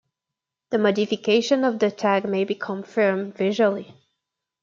The modification of the tag may be confirmed visually.